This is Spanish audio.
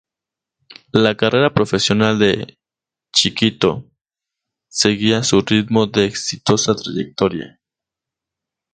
La carrera profesional de "Chiquito" seguía su ritmo de exitosa trayectoria.